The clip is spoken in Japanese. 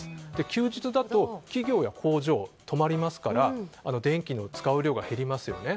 休日だと企業や工場は止まりますから電気の使う量が減りますよね。